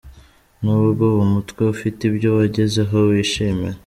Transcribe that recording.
N’ubwo uwo mutwe ufite ibyo wagezeho wishimira,